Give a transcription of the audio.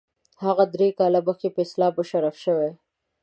هغه درې کاله مخکې په اسلام مشرف شوی.